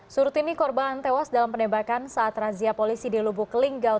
surut ini korban tewas dalam penembakan saat razia polisi di lubuk linggau